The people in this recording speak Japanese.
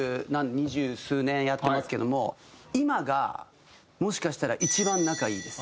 二十数年やってますけども今がもしかしたら一番仲いいです。